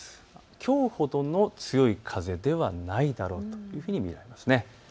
きょうほどの強い風ではないだろうというふうに見られます。